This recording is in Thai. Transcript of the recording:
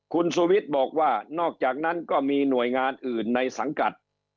คุณสุวิทย์บอกว่านอกจากนั้นก็มีหน่วยงานอื่นในสังกัด